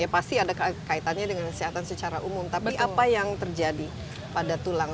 ya pasti ada kaitannya dengan kesehatan secara umum tapi apa yang terjadi pada tulang